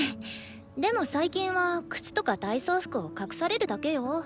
でも最近は靴とか体操服を隠されるだけよ。